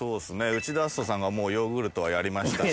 内田篤人さんがもうヨーグルトはやりましたし。